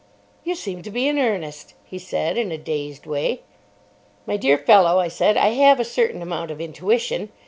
"You seem to be in earnest," he said, in a dazed way. "My dear fellow," I said; "I have a certain amount of intuition.